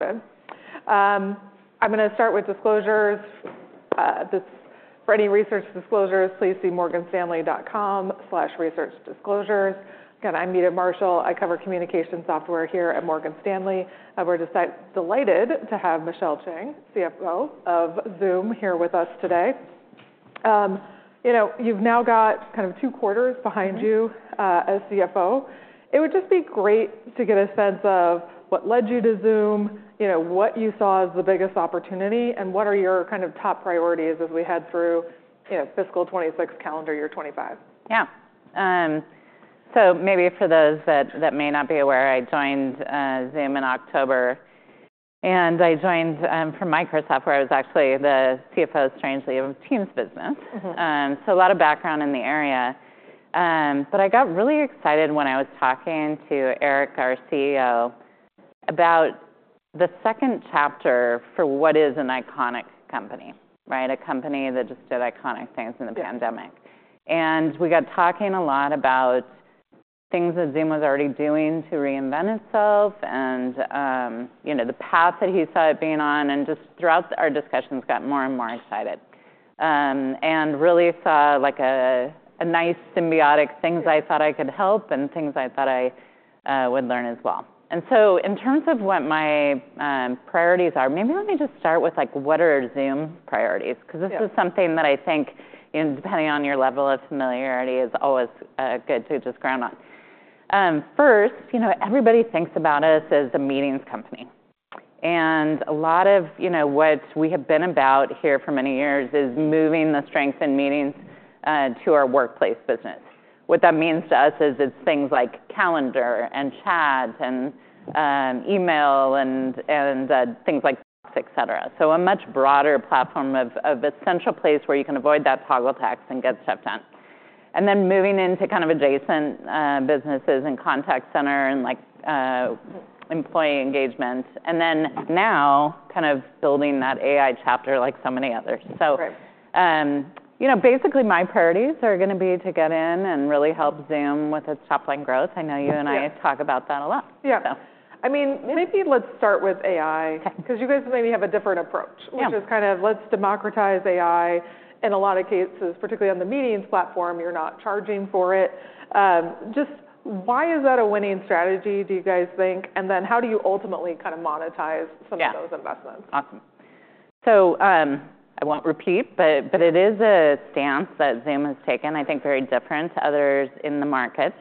I'm going to start with disclosures. For any research disclosures, please see morganstanley.com/researchdisclosures. Again, I'm Anita Marshall. I cover communication software here at Morgan Stanley. We're delighted to have Michelle Chang, CFO of Zoom, here with us today. You've now got kind of Q2 behind you as CFO. It would just be great to get a sense of what led you to Zoom, what you saw as the biggest opportunity, and what are your kind of top priorities as we head through fiscal '26 calendar year '25. Yeah. So maybe for those that may not be aware, I joined Zoom in October. And I joined from Microsoft, where I was actually the CFO, strangely, of Teams business. So a lot of background in the area. But I got really excited when I was talking to Eric, our CEO, about the second chapter for what is an iconic company, a company that just did iconic things in the pandemic. And we got talking a lot about things that Zoom was already doing to reinvent itself and the path that he saw it being on. And just throughout our discussions, got more and more excited and really saw a nice symbiotic things I thought I could help and things I thought I would learn as well. And so in terms of what my priorities are, maybe let me just start with what are Zoom's priorities, because this is something that I think, depending on your level of familiarity, is always good to just ground on. First, everybody thinks about us as a meetings company. And a lot of what we have been about here for many years is moving the strength in meetings to our Workplace business. What that means to us is it's things like calendar and chat and email and things like Docs, et cetera. So a much broader platform of a central place where you can avoid that toggle tax and get stuff done. And then moving into kind of adjacent businesses and contact center and employee engagement. And then now kind of building that AI chapter like so many others. So basically, my priorities are going to be to get in and really help Zoom with its top-line growth. I know you and I talk about that a lot. Yeah. I mean, maybe let's start with AI, because you guys maybe have a different approach, which is kind of let's democratize AI. In a lot of cases, particularly on the meetings platform, you're not charging for it. Just why is that a winning strategy, do you guys think? And then how do you ultimately kind of monetize some of those investments? Awesome. So I won't repeat, but it is a stance that Zoom has taken, I think, very different to others in the market,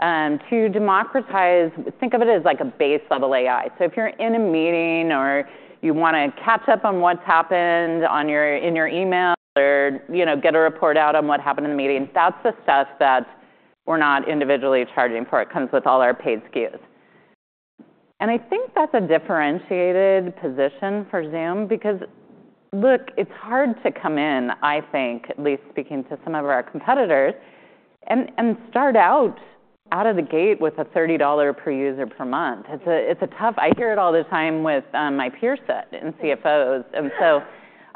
to democratize. Think of it as like a base level AI. So if you're in a meeting or you want to catch up on what's happened in your email or get a report out on what happened in the meeting, that's the stuff that we're not individually charging for. It comes with all our paid SKUs. And I think that's a differentiated position for Zoom, because look, it's hard to come in, I think, at least speaking to some of our competitors, and start out of the gate with a $30 per user per month. It's a toughie. I hear it all the time with my peer set and CFOs. And so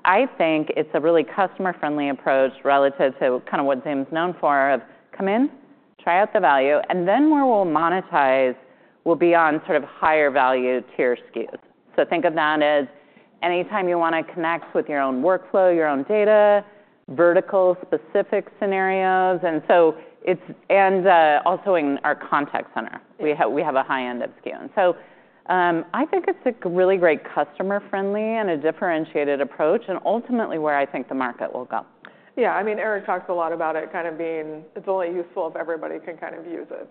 I think it's a really customer-friendly approach relative to kind of what Zoom is known for of come in, try out the value. And then where we'll monetize will be on sort of higher value tier SKUs. So think of that as anytime you want to connect with your own workflow, your own data, vertical-specific scenarios. And also in our contact center, we have a high-end SKU. And so I think it's a really great customer-friendly and a differentiated approach, and ultimately where I think the market will go. Yeah. I mean, Eric talks a lot about it kind of being it's only useful if everybody can kind of use it.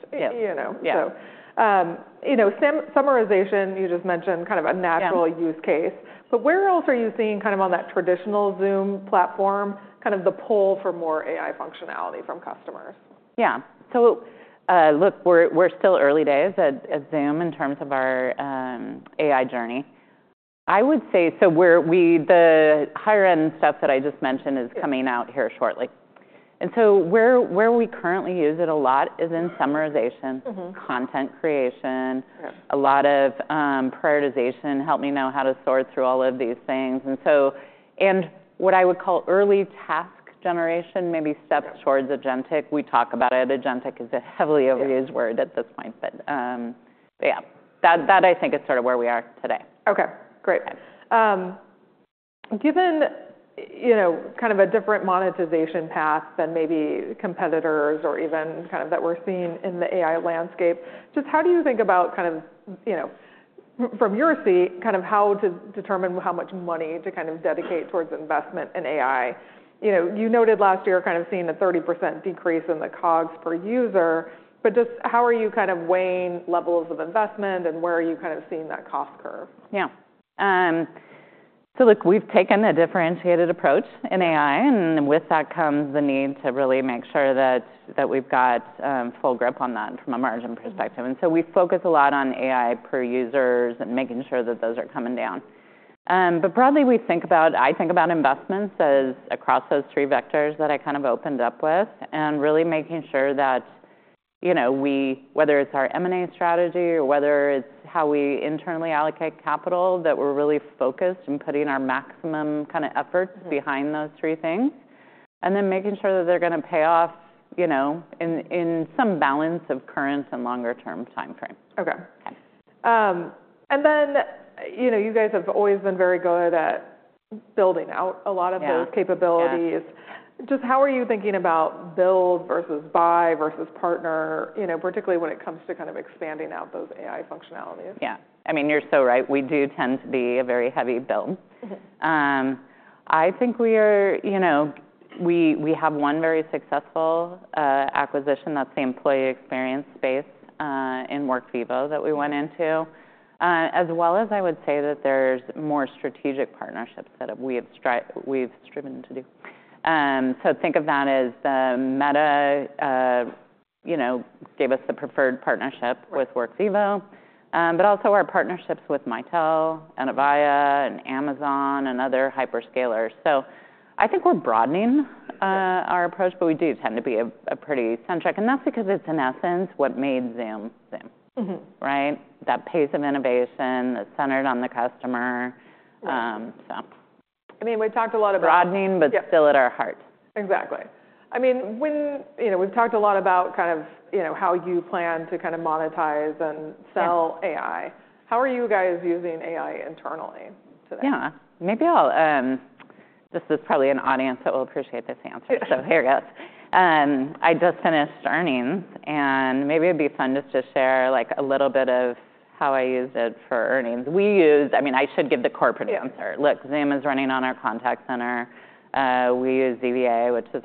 So summarization, you just mentioned kind of a natural use case. But where else are you seeing kind of on that traditional Zoom platform kind of the pull for more AI functionality from customers? Yeah. So look, we're still early days at Zoom in terms of our AI journey. I would say so the higher end stuff that I just mentioned is coming out here shortly. And so where we currently use it a lot is in summarization, content creation, a lot of prioritization, help me know how to sort through all of these things. And what I would call early task generation, maybe steps towards agentic. We talk about it. Agentic is a heavily overused word at this point. But yeah, that I think is sort of where we are today. OK, great. Given kind of a different monetization path than maybe competitors or even kind of that we're seeing in the AI landscape, just how do you think about kind of from your seat kind of how to determine how much money to kind of dedicate towards investment in AI? You noted last year kind of seeing a 30% decrease in the COGS per user. But just how are you kind of weighing levels of investment and where are you kind of seeing that cost curve? Yeah, so look, we've taken a differentiated approach in AI and with that comes the need to really make sure that we've got full grip on that from a margin perspective, so we focus a lot on AI per users and making sure that those are coming down, but broadly, I think about investments as across those three vectors that I kind of opened up with and really making sure that we, whether it's our M&A strategy or whether it's how we internally allocate capital, that we're really focused and putting our maximum kind of efforts behind those three things, and then making sure that they're going to pay off in some balance of current and longer term time frame. OK. And then you guys have always been very good at building out a lot of those capabilities. Just how are you thinking about build versus buy versus partner, particularly when it comes to kind of expanding out those AI functionalities? Yeah. I mean, you're so right. We do tend to be a very heavy build. I think we have one very successful acquisition, that's the employee experience space in Workvivo that we went into, as well as I would say that there's more strategic partnerships that we've striven to do. So think of that as the Meta gave us the preferred partnership with Workvivo, but also our partnerships with Mitel and Avaya and Amazon and other hyperscalers. So I think we're broadening our approach, but we do tend to be pretty centric. And that's because it's in essence what made Zoom Zoom, right? That pace of innovation that's centered on the customer. I mean, we talked a lot about. Broadening, but still at our heart. Exactly. I mean, we've talked a lot about kind of how you plan to kind of monetize and sell AI. How are you guys using AI internally today? Yeah. Maybe this is probably an audience that will appreciate this answer. So here it goes. I just finished earnings. And maybe it'd be fun just to share a little bit of how I used it for earnings. I mean, I should give the corporate answer. Look, Zoom is running on our contact center. We use ZVA, which is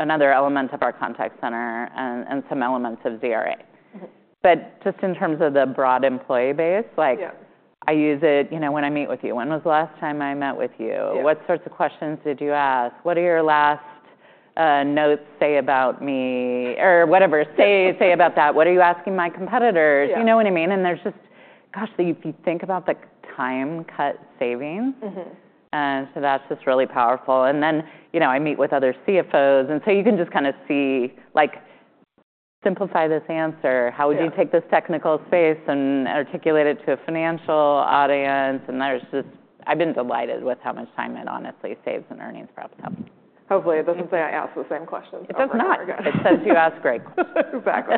another element of our contact center, and some elements of ZRA. But just in terms of the broad employee base, I use it when I meet with you. When was the last time I met with you? What sorts of questions did you ask? What do your last notes say about me? Or whatever say about that. What are you asking my competitors? You know what I mean? And there's just, gosh, if you think about the time cut savings, so that's just really powerful. And then I meet with other CFOs. And so you can just kind of see, simplify this answer. How would you take this technical space and articulate it to a financial audience? And I've been delighted with how much time it honestly saves in earnings, perhaps. Hopefully, it doesn't say I asked the same questions. It does not. It says you asked great questions. Exactly.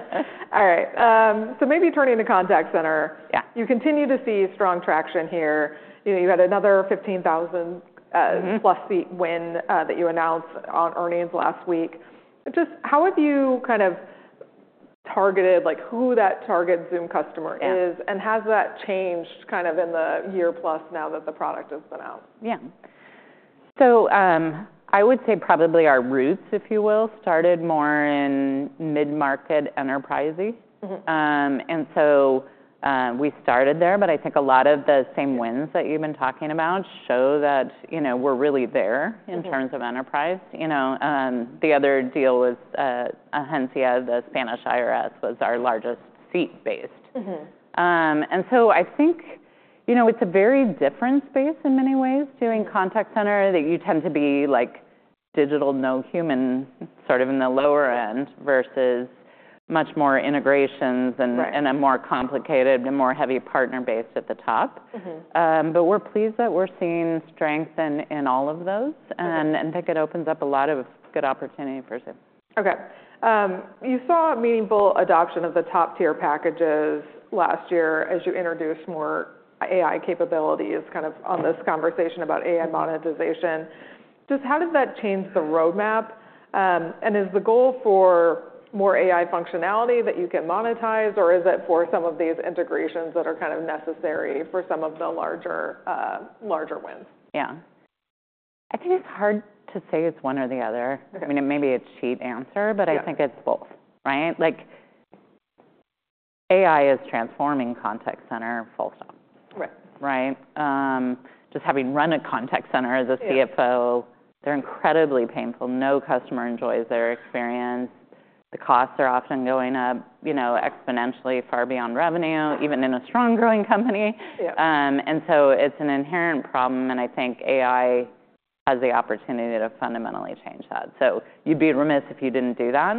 All right. So maybe turning to contact center. You continue to see strong traction here. You had another 15,000 plus seat win that you announced on earnings last week. Just how have you kind of targeted who that target Zoom customer is? And has that changed kind of in the year plus now that the product has been out? Yeah. So I would say probably our roots, if you will, started more in mid-market enterprise-y. And so we started there. But I think a lot of the same wins that you've been talking about show that we're really there in terms of enterprise. The other deal was Agencia Tributaria, the Spanish IRS, was our largest seat-based. And so I think it's a very different space in many ways, doing contact center that you tend to be digital, no human, sort of in the lower end versus much more integrations and a more complicated and more heavy partner base at the top. But we're pleased that we're seeing strength in all of those. And I think it opens up a lot of good opportunity for Zoom. OK. You saw meaningful adoption of the top-tier packages last year as you introduced more AI capabilities kind of on this conversation about AI monetization. Just how did that change the roadmap? And is the goal for more AI functionality that you can monetize, or is it for some of these integrations that are kind of necessary for some of the larger wins? Yeah. I think it's hard to say it's one or the other. I mean, maybe it's a cheap answer, but I think it's both. AI is transforming contact center full stop. Just having run a contact center as a CFO, they're incredibly painful. No customer enjoys their experience. The costs are often going up exponentially, far beyond revenue, even in a strong growing company, and so it's an inherent problem, and I think AI has the opportunity to fundamentally change that, so you'd be remiss if you didn't do that,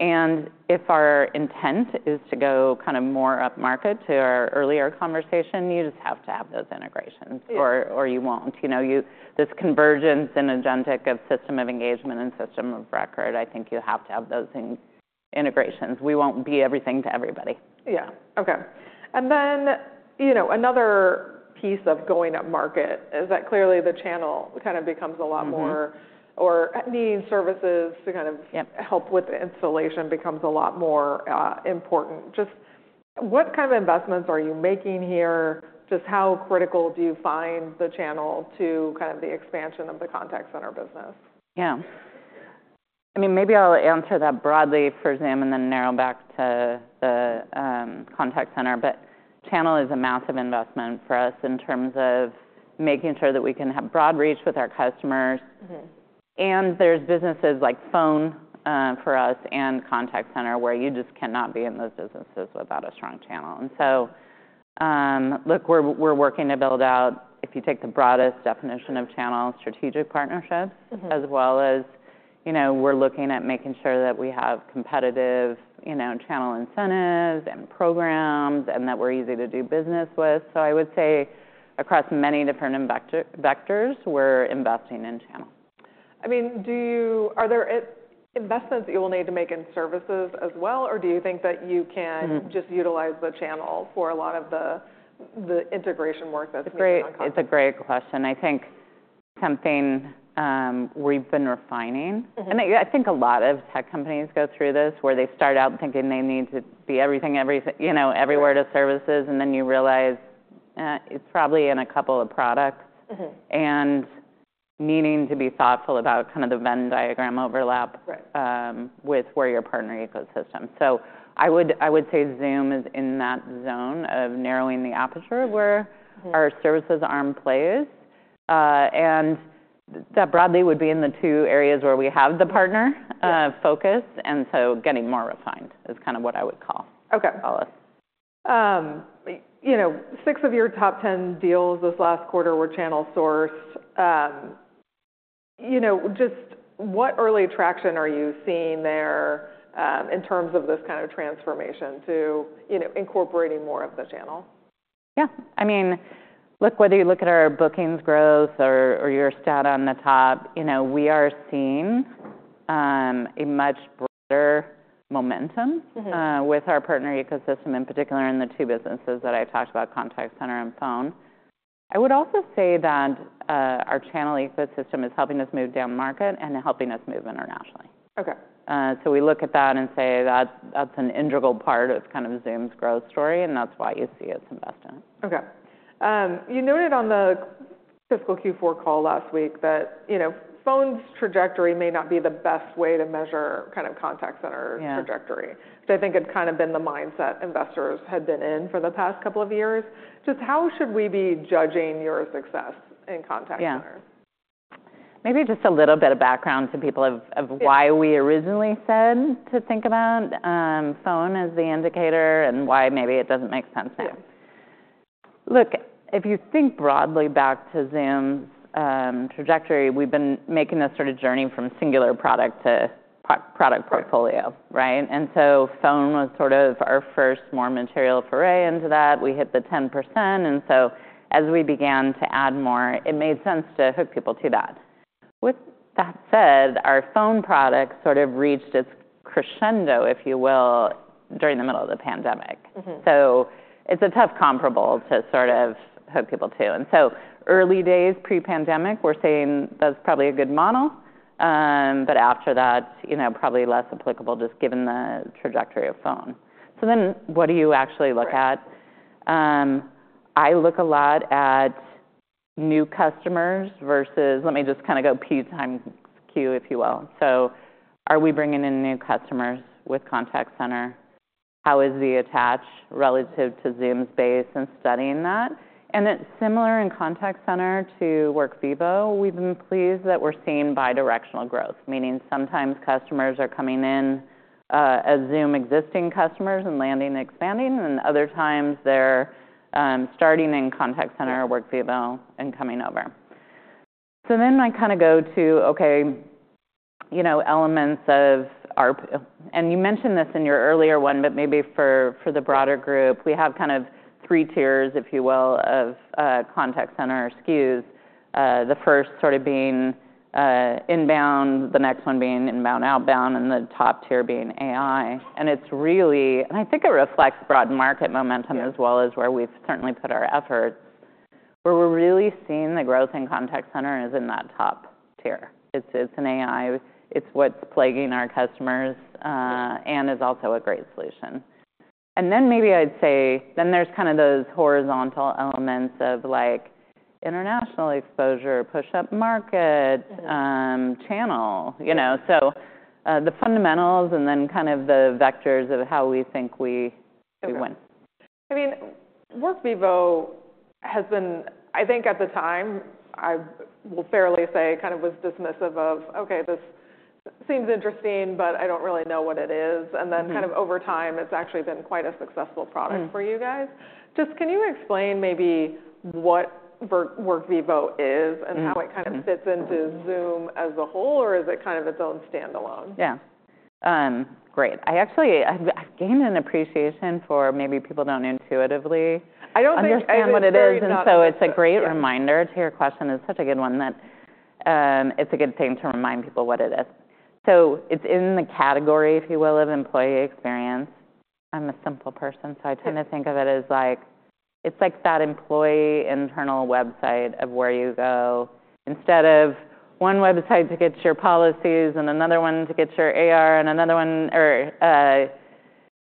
and if our intent is to go kind of more upmarket to our earlier conversation, you just have to have those integrations, or you won't. This convergence and agentic of system of engagement and system of record, I think you have to have those integrations. We won't be everything to everybody. Yeah. OK. And then another piece of going upmarket is that clearly the channel kind of becomes a lot more, or needing services to kind of help with the installation, becomes a lot more important. Just what kind of investments are you making here? Just how critical do you find the channel to kind of the expansion of the Contact Center business? Yeah. I mean, maybe I'll answer that broadly for Zoom and then narrow back to the contact center, but channel is a massive investment for us in terms of making sure that we can have broad reach with our customers, and there's businesses like phone for us and contact center where you just cannot be in those businesses without a strong channel, so look, we're working to build out, if you take the broadest definition of channel, strategic partnerships, as well as we're looking at making sure that we have competitive channel incentives and programs and that we're easy to do business with, so I would say across many different vectors, we're investing in channel. I mean, are there investments that you will need to make in services as well, or do you think that you can just utilize the channel for a lot of the integration work that's being done on contact center? It's a great question. I think something we've been refining, and I think a lot of tech companies go through this where they start out thinking they need to be everything, everywhere to services, and then you realize it's probably in a couple of products and needing to be thoughtful about kind of the Venn diagram overlap with where your partner ecosystem is, so I would say Zoom is in that zone of narrowing the aperture where our services arm plays, and that broadly would be in the two areas where we have the partner focus, and so getting more refined is kind of what I would call us. Six of your top 10 deals this last quarter were channel sourced. Just what early traction are you seeing there in terms of this kind of transformation to incorporating more of the channel? Yeah. I mean, look, whether you look at our bookings growth or your stat on the top, we are seeing a much broader momentum with our partner ecosystem, in particular in the two businesses that I talked about, contact center and phone. I would also say that our channel ecosystem is helping us move down market and helping us move internationally. So we look at that and say that's an integral part of kind of Zoom's growth story. And that's why you see us invest in it. OK. You noted on the fiscal Q4 call last week that phone's trajectory may not be the best way to measure kind of contact center trajectory. So I think it's kind of been the mindset investors had been in for the past couple of years. Just how should we be judging your success in contact center? Maybe just a little bit of background to people of why we originally said to think about phone as the indicator and why maybe it doesn't make sense now. Look, if you think broadly back to Zoom's trajectory, we've been making a sort of journey from singular product to product portfolio. And so phone was sort of our first more material foray into that. We hit the 10%. And so as we began to add more, it made sense to hook people to that. With that said, our phone product sort of reached its crescendo, if you will, during the middle of the pandemic. So it's a tough comparable to sort of hook people to. And so early days pre-pandemic, we're saying that's probably a good model. But after that, probably less applicable just given the trajectory of phone. So then what do you actually look at? I look a lot at new customers versus let me just kind of go P times Q, if you will, so are we bringing in new customers with contact center? How is the attach relative to Zoom's base and studying that, and it's similar in contact center to WorkVivo. We've been pleased that we're seeing bidirectional growth, meaning sometimes customers are coming in as Zoom existing customers and landing, expanding, and other times they're starting in contact center, WorkVivo, and coming over, so then I kind of go to, OK, elements of our and you mentioned this in your earlier one, but maybe for the broader group, we have kind of three tiers, if you will, of contact center SKUs, the first sort of being inbound, the next one being inbound outbound, and the top tier being AI. And I think it reflects broad market momentum as well as where we've certainly put our efforts, where we're really seeing the growth in contact center is in that top tier. It's an AI. It's what's plaguing our customers and is also a great solution. And then maybe I'd say then there's kind of those horizontal elements of international exposure, push up market, channel. So the fundamentals and then kind of the vectors of how we think we win. I mean, WorkVivo has been, I think at the time, I will fairly say kind of was dismissive of. OK, this seems interesting, but I don't really know what it is. And then kind of over time, it's actually been quite a successful product for you guys. Just can you explain maybe what WorkVivo is and how it kind of fits into Zoom as a whole? Or is it kind of its own standalone? Yeah. Great. I actually gained an appreciation for maybe people don't intuitively understand what it is. And so it's a great reminder to your question. It's such a good one that it's a good thing to remind people what it is. So it's in the category, if you will, of employee experience. I'm a simple person. So I tend to think of it as like it's like that employee internal website of where you go instead of one website to get your policies and another one to get your HR and another one or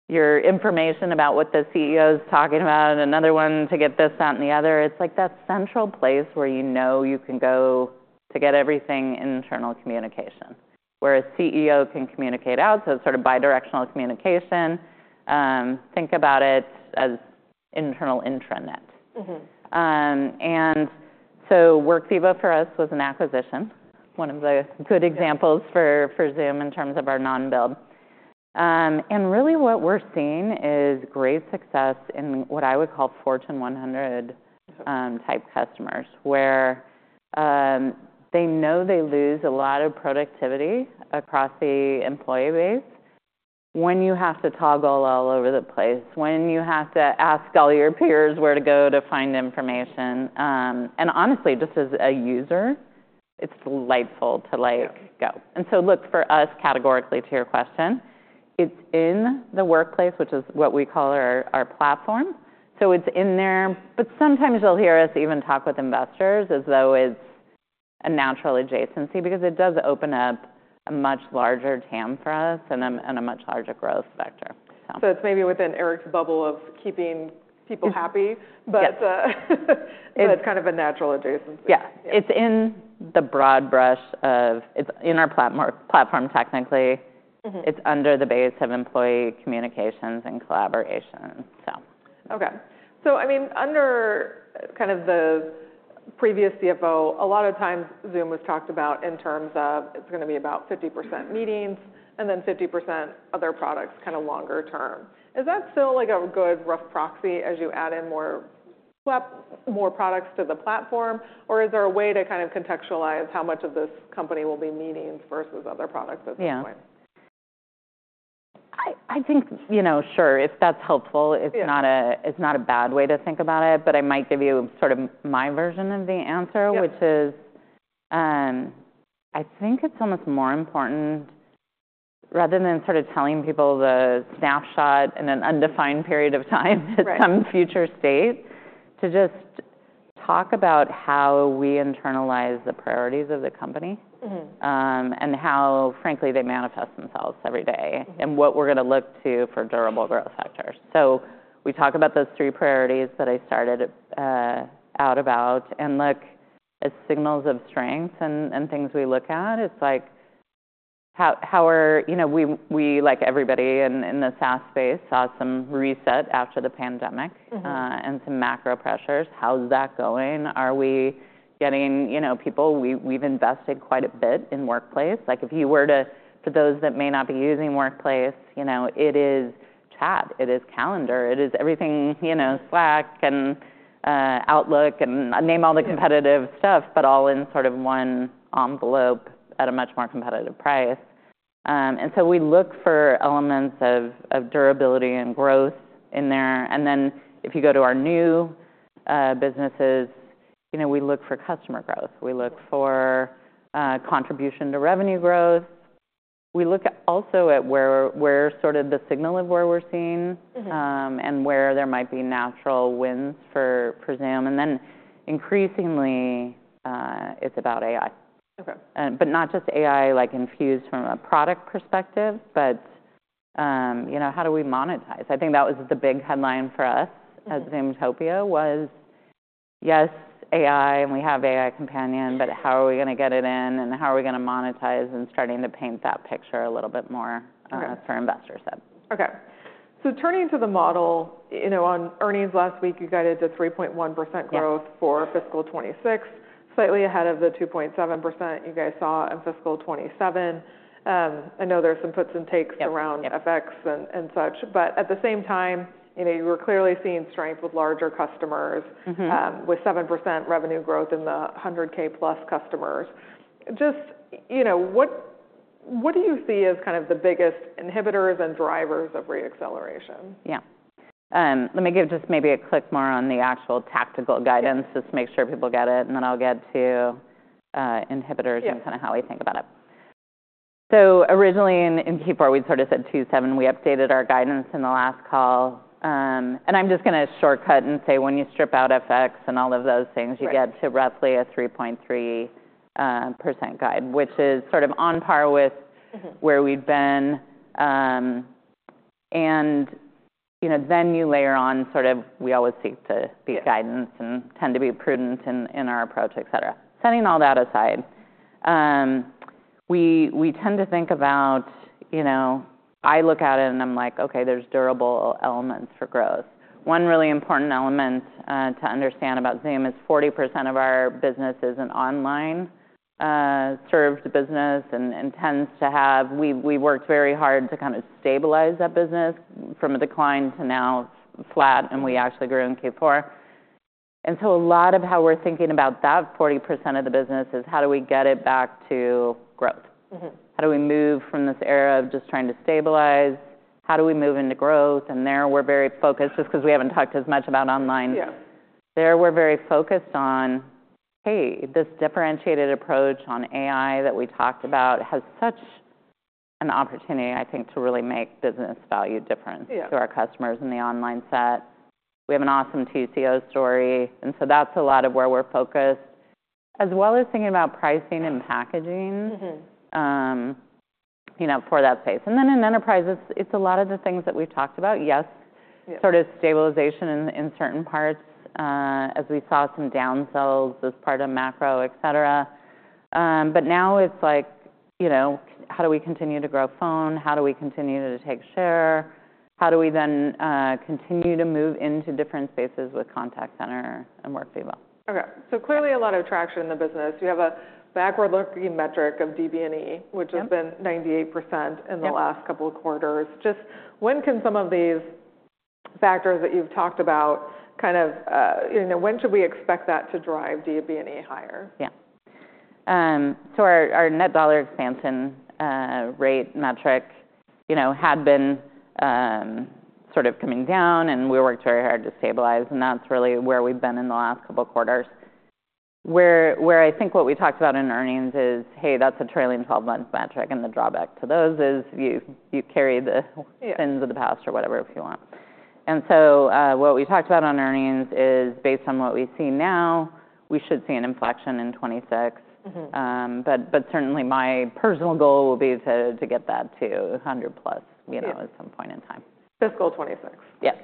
your information about what the CEO is talking about and another one to get this, that, and the other. It's like that central place where you know you can go to get everything, internal communication, where a CEO can communicate out. So it's sort of bidirectional communication. Think about it as internal intranet. And so WorkVivo for us was an acquisition, one of the good examples for Zoom in terms of our non-build. And really what we're seeing is great success in what I would call Fortune 100 type customers, where they know they lose a lot of productivity across the employee base when you have to toggle all over the place, when you have to ask all your peers where to go to find information. And honestly, just as a user, it's delightful to go. And so look, for us, categorically to your question, it's in the workplace, which is what we call our platform. So it's in there. But sometimes you'll hear us even talk with investors as though it's a natural adjacency because it does open up a much larger TAM for us and a much larger growth vector. So it's maybe within Eric's bubble of keeping people happy. But it's kind of a natural adjacency. Yeah. It's in the broad brush of it's in our platform technically. It's under the base of employee communications and collaboration. OK. So I mean, under kind of the previous CFO, a lot of times Zoom was talked about in terms of it's going to be about 50% meetings and then 50% other products kind of longer term. Is that still like a good rough proxy as you add in more products to the platform? Or is there a way to kind of contextualize how much of this company will be meetings versus other products at this point? Yeah. I think, you know, sure, if that's helpful, it's not a bad way to think about it. But I might give you sort of my version of the answer, which is I think it's almost more important rather than sort of telling people the snapshot in an undefined period of time at some future state to just talk about how we internalize the priorities of the company and how, frankly, they manifest themselves every day and what we're going to look to for durable growth factors. So we talk about those three priorities that I started out about. And look, as signals of strength and things we look at, it's like how are we, like, everybody in the SaaS space saw some reset after the pandemic and some macro pressures. How's that going? Are we getting people? We've invested quite a bit in workplace. Like, if you were to for those that may not be using Workplace, it is chat. It is calendar. It is everything, Slack and Outlook and name all the competitive stuff, but all in sort of one envelope at a much more competitive price. And so we look for elements of durability and growth in there. And then if you go to our new businesses, we look for customer growth. We look for contribution to revenue growth. We look also at where sort of the signal of where we're seeing and where there might be natural wins for Zoom. And then increasingly, it's about AI. But not just AI like infused from a product perspective, but how do we monetize? I think that was the big headline for us at Zoomtopia was, yes, AI, and we have AI Companion. But how are we going to get it in? How are we going to monetize, and starting to paint that picture a little bit more for investors? OK. So turning to the model, on earnings last week, you guided to 3.1% growth for fiscal 2026, slightly ahead of the 2.7% you guys saw in fiscal 2027. I know there's some puts and takes around FX and such. But at the same time, you were clearly seeing strength with larger customers with 7% revenue growth in the 100K plus customers. Just what do you see as kind of the biggest inhibitors and drivers of re-acceleration? Yeah. Let me give just maybe a click more on the actual tactical guidance just to make sure people get it. And then I'll get to inhibitors and kind of how we think about it. So originally in Q4, we'd sort of said 7%. We updated our guidance in the last call. And I'm just going to shortcut and say when you strip out FX and all of those things, you get to roughly a 3.3% guide, which is sort of on par with where we've been. And then you layer on sort of we always seek to beat guidance and tend to be prudent in our approach, et cetera. Setting all that aside, we tend to think about it. I look at it and I'm like, OK, there's durable elements for growth. One really important element to understand about Zoom is 40% of our business is an online served business and tends to have. We worked very hard to kind of stabilize that business from a decline to now flat, and we actually grew in Q4, and so a lot of how we're thinking about that 40% of the business is how do we get it back to growth? How do we move from this era of just trying to stabilize? How do we move into growth? And there we're very focused just because we haven't talked as much about online. There we're very focused on, hey, this differentiated approach on AI that we talked about has such an opportunity, I think, to really make business value difference to our customers in the online set. We have an awesome TCO story. And so that's a lot of where we're focused, as well as thinking about pricing and packaging for that space. And then in enterprise, it's a lot of the things that we've talked about, yes, sort of stabilization in certain parts as we saw some downsells as part of macro, et cetera. But now it's like, how do we continue to grow phone? How do we continue to take share? How do we then continue to move into different spaces with contact center and WorkVivo? OK, so clearly a lot of traction in the business. You have a backward-looking metric of DBNE, which has been 98% in the last couple of quarters. Just when can some of these factors that you've talked about kind of when should we expect that to drive DB higher? Yeah. So our net dollar expansion rate metric had been sort of coming down. And we worked very hard to stabilize. And that's really where we've been in the last couple of quarters, where I think what we talked about in earnings is, hey, that's a trailing 12-month metric. And the drawback to those is you carry the sins of the past or whatever if you want. And so what we talked about on earnings is based on what we see now, we should see an inflection in 2026. But certainly my personal goal will be to get that to 100 plus at some point in time. Fiscal 26. Yes.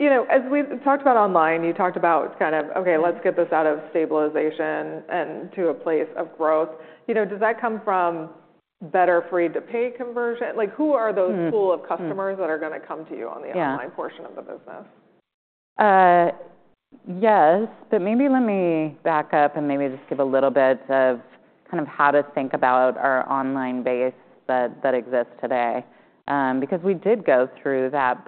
As we talked about online, you talked about kind of, OK, let's get this out of stabilization and to a place of growth. Does that come from better free-to-pay conversion? Who are those pool of customers that are going to come to you on the online portion of the business? Yes. But maybe let me back up and maybe just give a little bit of kind of how to think about our online base that exists today because we did go through that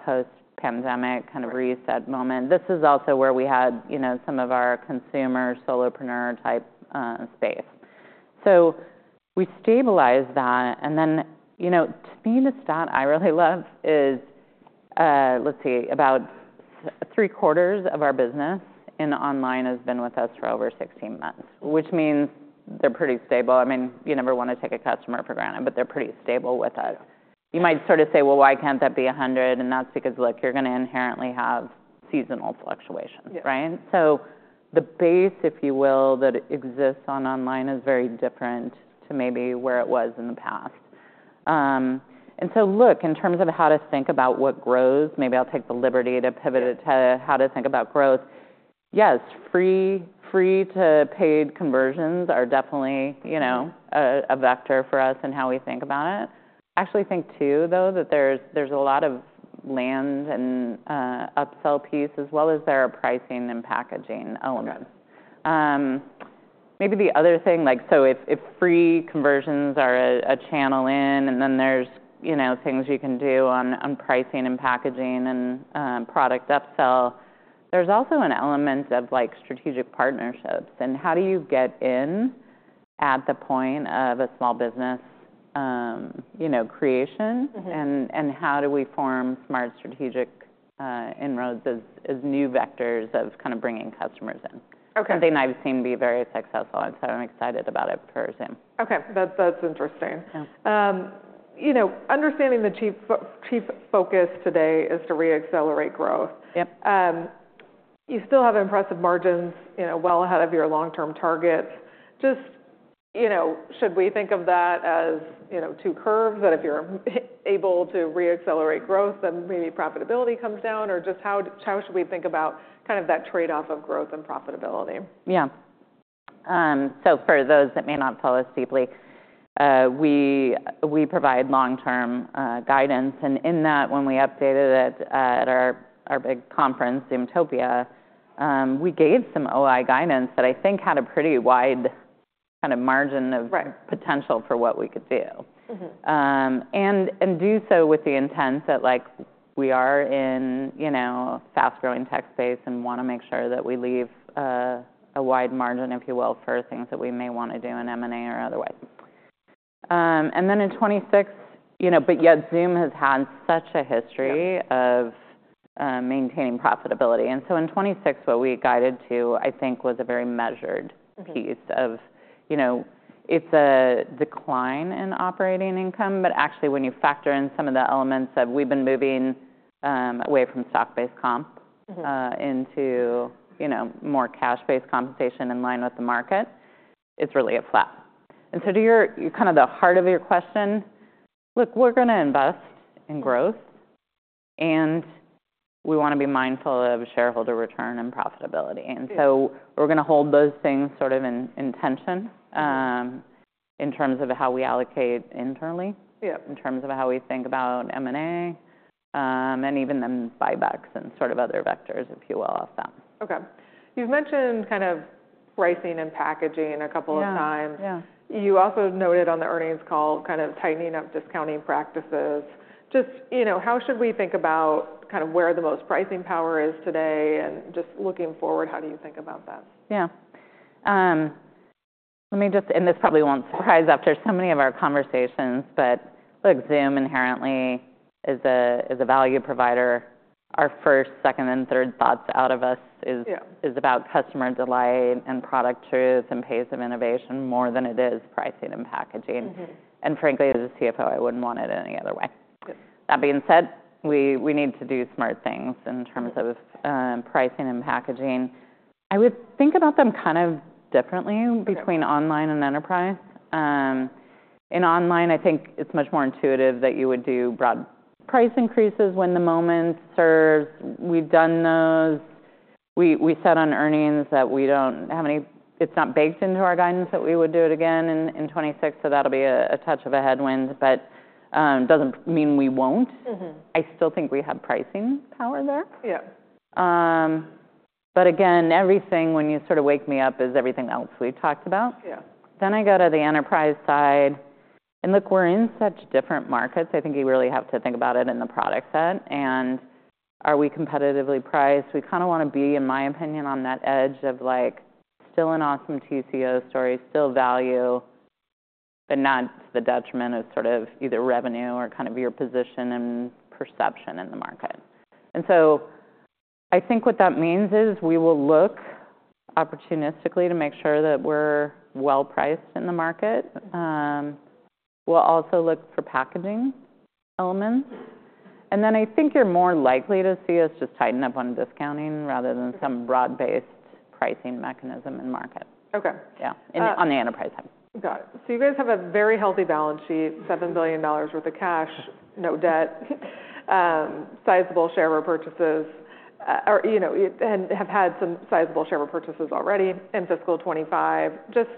post-pandemic kind of reset moment. This is also where we had some of our consumer solopreneur type space. So we stabilized that. And then to me, the stat I really love is, let's see, about Q3 of our business in online has been with us for over 16 months, which means they're pretty stable. I mean, you never want to take a customer for granted, but they're pretty stable with us. You might sort of say, well, why can't that be 100? And that's because, look, you're going to inherently have seasonal fluctuations. So the base, if you will, that exists on online is very different to maybe where it was in the past. And so look, in terms of how to think about what grows, maybe I'll take the liberty to pivot it to how to think about growth. Yes, free-to-pay conversions are definitely a vector for us in how we think about it. I actually think, too, though, that there's a lot of land and upsell piece as well as there are pricing and packaging elements. Maybe the other thing, so if free conversions are a channel in and then there's things you can do on pricing and packaging and product upsell, there's also an element of strategic partnerships. And how do you get in at the point of a small business creation? And how do we form smart strategic inroads as new vectors of kind of bringing customers in? Something I've seen be very successful. And so I'm excited about it for Zoom. OK. That's interesting. Understanding the chief focus today is to re-accelerate growth. You still have impressive margins well ahead of your long-term targets. Just should we think of that as two curves that if you're able to re-accelerate growth, then maybe profitability comes down? Or just how should we think about kind of that trade-off of growth and profitability? Yeah. So for those that may not follow us deeply, we provide long-term guidance, and in that, when we updated it at our big conference, Zoomtopia, we gave some OI guidance that I think had a pretty wide kind of margin of potential for what we could do and do so with the intent that we are in a fast-growing tech space and want to make sure that we leave a wide margin, if you will, for things that we may want to do in M&A or otherwise, and then in 2026, but yet Zoom has had such a history of maintaining profitability, and so in 2026, what we guided to, I think, was a very measured piece. It's a decline in operating income. But actually, when you factor in some of the elements we've been moving away from stock-based comp into more cash-based compensation in line with the market, it's really a flap. And so, to the heart of your question, kind of, look, we're going to invest in growth. And we want to be mindful of shareholder return and profitability. And so we're going to hold those things sort of in tension in terms of how we allocate internally, in terms of how we think about M&A and even then buybacks and sort of other vectors, if you will, off that. OK. You've mentioned kind of pricing and packaging a couple of times. You also noted on the earnings call kind of tightening up discounting practices. Just how should we think about kind of where the most pricing power is today? And just looking forward, how do you think about that? Yeah. Let me just, and this probably won't surprise after so many of our conversations, but look, Zoom inherently is a value provider. Our first, second, and third thoughts out of us is about customer delight and product truth and pace of innovation more than it is pricing and packaging. And frankly, as a CFO, I wouldn't want it any other way. That being said, we need to do smart things in terms of pricing and packaging. I would think about them kind of differently between online and enterprise. In online, I think it's much more intuitive that you would do broad price increases when the moment serves. We've done those. We said on earnings that we don't have any. It's not baked into our guidance that we would do it again in 2026. So that'll be a touch of a headwind. But it doesn't mean we won't. I still think we have pricing power there. But again, everything when you sort of wake me up is everything else we've talked about. Then I go to the enterprise side. And look, we're in such different markets. I think you really have to think about it in the product set. And are we competitively priced? We kind of want to be, in my opinion, on that edge of still an awesome TCO story, still value, but not to the detriment of sort of either revenue or kind of your position and perception in the market. And so I think what that means is we will look opportunistically to make sure that we're well priced in the market. We'll also look for packaging elements. And then I think you're more likely to see us just tighten up on discounting rather than some broad-based pricing mechanism in market. Yeah, on the enterprise side. Got it. So you guys have a very healthy balance sheet, $7 billion worth of cash, no debt, sizable share of purchases, and have had some sizable share of purchases already in fiscal 2025. Just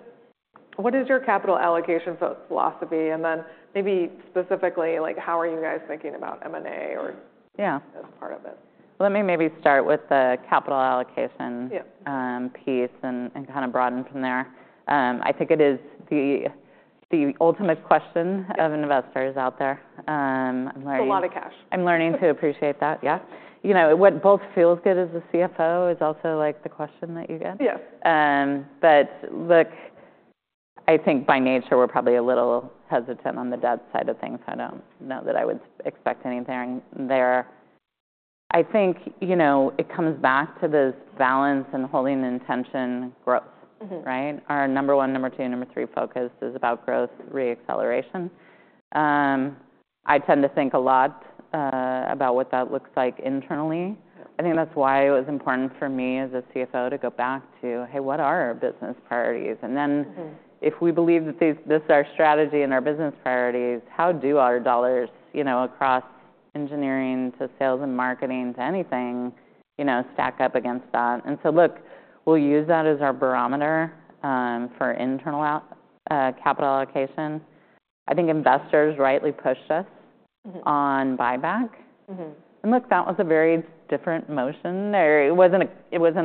what is your capital allocation philosophy? And then maybe specifically, how are you guys thinking about M&A or as part of it? Yeah. Well, let me maybe start with the capital allocation piece and kind of broaden from there. I think it is the ultimate question of investors out there. It's a lot of cash. I'm learning to appreciate that. Yeah. What both feels good as a CFO is also like the question that you get, but look, I think by nature, we're probably a little hesitant on the debt side of things. I don't know that I would expect anything there. I think it comes back to this balance and holding intentional growth. Our number one, number two, number three focus is about growth re-acceleration. I tend to think a lot about what that looks like internally. I think that's why it was important for me as a CFO to go back to, hey, what are our business priorities? And then if we believe that this is our strategy and our business priorities, how do our dollars across engineering to sales and marketing to anything stack up against that, and so look, we'll use that as our barometer for internal capital allocation. I think investors rightly pushed us on buyback, and look, that was a very different motion. It wasn't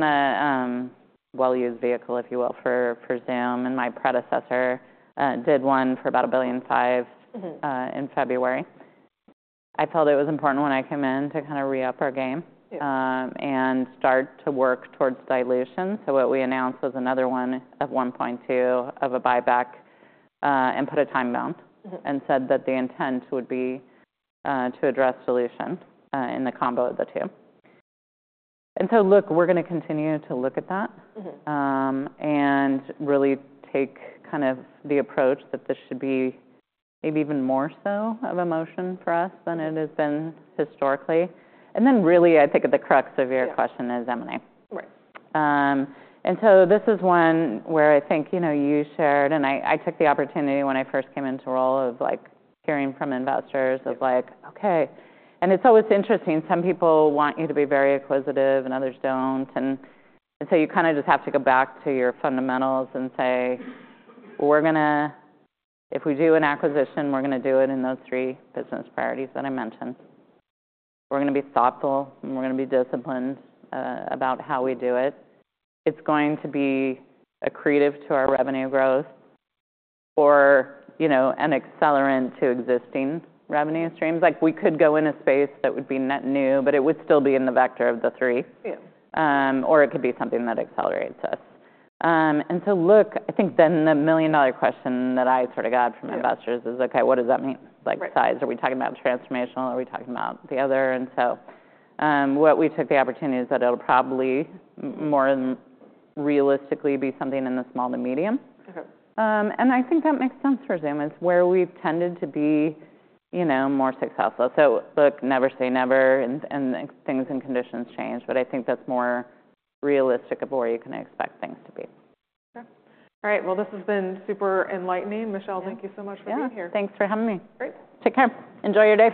a well-used vehicle, if you will, for Zoom, and my predecessor did one for about $1.5 billion in February. I felt it was important when I came in to kind of re-up our game and start to work towards dilution, so what we announced was another one of $1.2 billion buyback and put a time bound and said that the intent would be to address dilution in the combo of the two, and so look, we're going to continue to look at that and really take kind of the approach that this should be maybe even more so of a motion for us than it has been historically, and then really, I think at the crux of your question is M&A, and so this is one where I think you shared. I took the opportunity when I first came into role of hearing from investors of like, OK. It's always interesting. Some people want you to be very inquisitive and others don't. So you kind of just have to go back to your fundamentals and say, if we do an acquisition, we're going to do it in those three business priorities that I mentioned. We're going to be thoughtful. We're going to be disciplined about how we do it. It's going to be an accretive to our revenue growth or an accelerant to existing revenue streams. We could go in a space that would be net new, but it would still be in the vector of the three. It could be something that accelerates us. And so look, I think then the million-dollar question that I sort of got from investors is, OK, what does that mean? Size? Are we talking about transformational? Are we talking about the other? And so what we took the opportunity is that it'll probably more realistically be something in the small to medium. And I think that makes sense for Zoom. It's where we've tended to be more successful. So look, never say never. And things and conditions change. But I think that's more realistic of where you can expect things to be. All right. Well, this has been super enlightening. Michelle, thank you so much for being here. Yeah. Thanks for having me. Great. Take care. Enjoy your day.